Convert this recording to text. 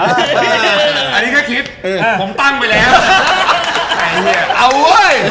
อันนี้แค่คิดผมตั้งไปแล้ว